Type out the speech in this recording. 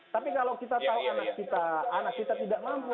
tapi kalau kita tahu anak kita tidak mampu